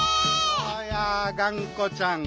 おやがんこちゃん。